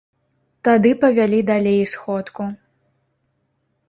Тады павялі далей сходку.